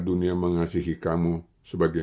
dunia mengasihi kamu sebagai